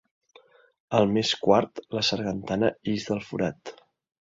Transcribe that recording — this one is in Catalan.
Al mes quart la sargantana ix del forat.